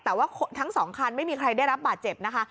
แต่ว่าทั้งสองคันไม่มีใครได้รับบาดเจ็บนะคะ